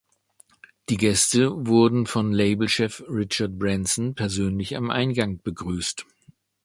Die Gäste wurden von Labelchef Richard Branson persönlich am Eingang begrüßt.